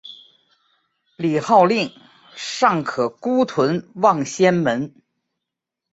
李晟令尚可孤屯望仙门。